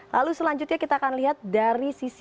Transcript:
lalu selanjutnya kita akan lihat dari sisi